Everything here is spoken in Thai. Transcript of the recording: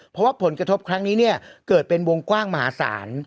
เพราะว่าผลกระทบครั้งนี้เนี่ยเกิดเป็นวงกว้างมหาศาล